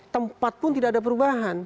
tempat pun tidak ada perubahan